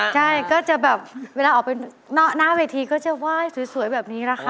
ใช่ก็จะแบบเวลาออกไปหน้าเวทีก็จะไหว้สวยแบบนี้นะคะ